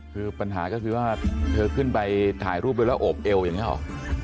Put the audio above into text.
คือปัญหาก็คือว่าเธอขึ้นไปถ่ายรูปด้วยแล้วโอบเอวอย่างนี้หรอ